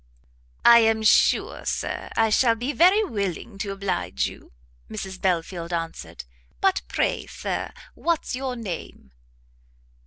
"I am sure, Sir, I shall be very willing to oblige you," Mrs Belfield answered; "but pray, Sir, what's your name?"